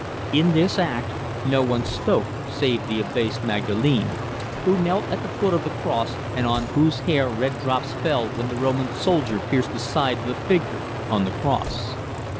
In this act no one spoke save the abased Magdalene, who knelt at the foot of the cross, and on whose hair red drops fell when the Roman soldier pierced the side of the figure on the cross.